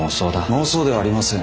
妄想ではありません。